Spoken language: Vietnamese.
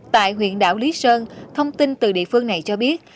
tàu lý sơn thông tin từ địa phương này cho biết